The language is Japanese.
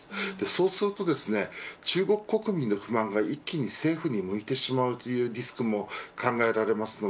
そうすると、中国国民の不安が一気に政府に向いてしまうというリスクも考えられます。